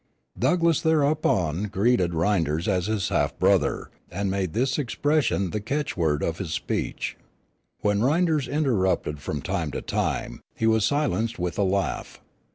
Douglass thereupon greeted Rynders as his half brother, and made this expression the catchword of his speech. When Rynders interrupted from time to time, he was silenced with a laugh.